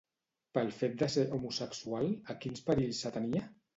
Pel fet de ser homosexual, a quins perills s'atenia?